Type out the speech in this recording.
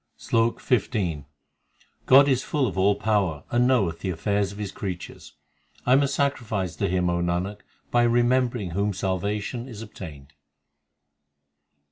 SLOK XV God is full of all power and knoweth the affairs l of His creatures ; I am a sacrifice to Him, O Nanak, by remembering whom salvation is obtained.